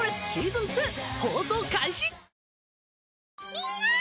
みんな！